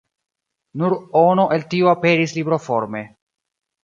Nur ono el tio aperis libroforme.